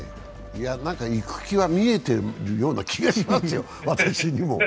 行く気は見えているような気がしますよ、私にも。